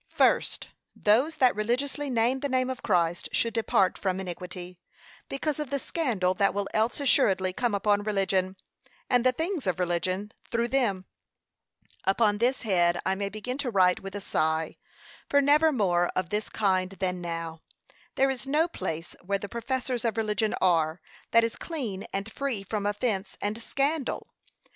] First, Those that religiously name the name of Christ should depart from iniquity, because of the scandal that will else assuredly come upon religion, and the things of religion, through them. Upon this head I may begin to write with a sigh, for never more of this kind than now! There is no place, where the professors of religion are, that is clean and free from offence and scandal.